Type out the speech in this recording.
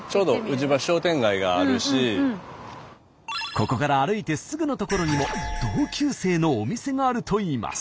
ここから歩いてすぐの所にも同級生のお店があるといいます。